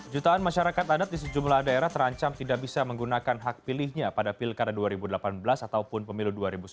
jutaan masyarakat adat di sejumlah daerah terancam tidak bisa menggunakan hak pilihnya pada pilkada dua ribu delapan belas ataupun pemilu dua ribu sembilan belas